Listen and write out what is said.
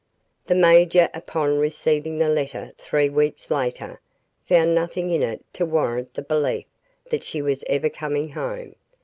The major, upon receiving the letter three weeks later, found nothing in it to warrant the belief that she was ever coming home.